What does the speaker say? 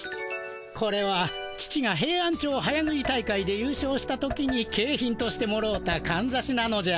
これは父がヘイアンチョウ早食い大会でゆう勝した時にけい品としてもろうたかんざしなのじゃ。